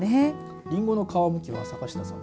りんごの皮むきは坂下さんは。